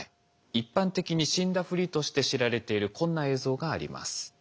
一般的に死んだふりとして知られているこんな映像があります。